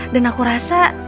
dan aku rasa